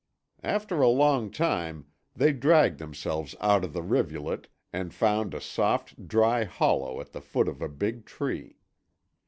After a long time they dragged themselves out of the rivulet and found a soft, dry hollow at the foot of a big tree.